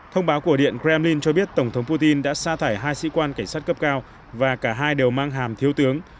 thông báo của điện kremlin cho biết tổng thống putin đã xa thải hai sĩ quan cảnh sát cấp cao và cả hai đều mang hàm thiếu tướng